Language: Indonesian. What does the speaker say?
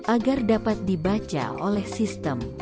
agar dapat dibaca oleh sistem